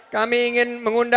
kami ingin mengundangkan